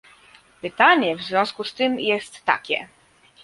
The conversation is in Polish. Pytanie w związku z tym jest takie